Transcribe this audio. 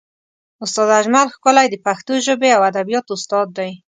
استاد اجمل ښکلی د پښتو ژبې او ادبیاتو استاد دی.